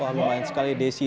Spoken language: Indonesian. wah lumayan sekali desi